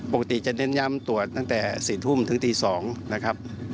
ปกติจะเน้นย้ำตรวจตั้งแต่๔ทุ่มถึงตี๒นะครับ